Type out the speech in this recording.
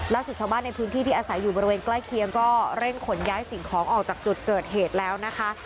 ชาวบ้านในพื้นที่ที่อาศัยอยู่บริเวณใกล้เคียงก็เร่งขนย้ายสิ่งของออกจากจุดเกิดเหตุแล้วนะคะ